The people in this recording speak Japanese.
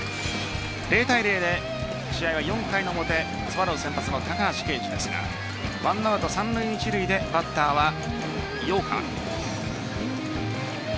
０対０で試合は４回の表スワローズ先発の高橋奎二ですが１アウト三塁・一塁でバッターは陽川。